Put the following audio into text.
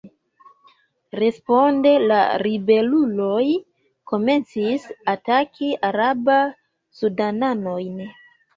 Responde la ribeluloj komencis ataki araba-sudananojn.